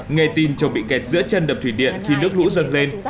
nghe tin chồng bị kẹt giữa chân đập thủy điện thì nước lũ dâng lên